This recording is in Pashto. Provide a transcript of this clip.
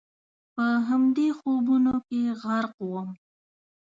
په همدې خوبونو کې غرق ووم.